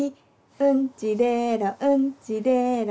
「うんちでろうんちでろ